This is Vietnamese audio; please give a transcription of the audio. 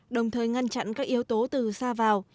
đồng thời ngăn chặn các yếu tố từ xa vào